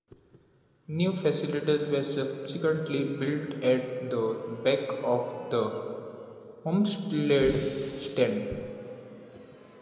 New facilities were subsequently built at the back of the Holmesdale Stand.